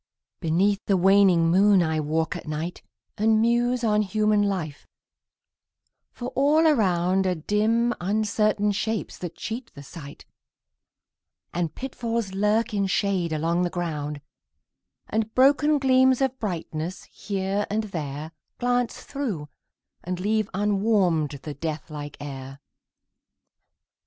Beneath the waning moon I walk at night, And muse on human life for all around Are dim uncertain shapes that cheat the sight, And pitfalls lurk in shade along the ground, And broken gleams of brightness, here and there, Glance through, and leave unwarmed the death like air.